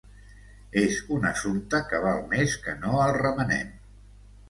És un assumpte que val més que no el remenem.